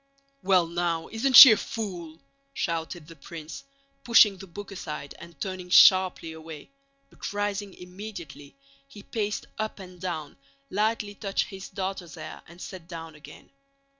"Well now, isn't she a fool!" shouted the prince, pushing the book aside and turning sharply away; but rising immediately, he paced up and down, lightly touched his daughter's hair and sat down again.